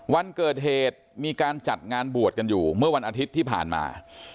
วันเกิดเหตุมีการจัดงานบวชกันอยู่เมื่อวันอาทิตย์ที่ผ่านมา